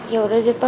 ya udah deh pa